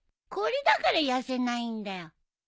これだから痩せないんだよ。